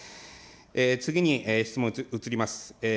次に、質問移ります。